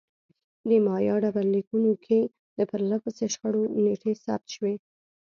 د مایا ډبرلیکونو کې د پرله پسې شخړو نېټې ثبت شوې